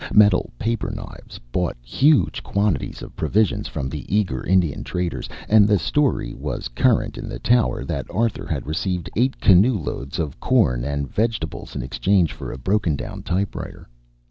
Metal paper knives bought huge quantities of provisions from the eager Indian traders, and the story was current in the tower that Arthur had received eight canoe loads of corn and vegetables in exchange for a broken down typewriter.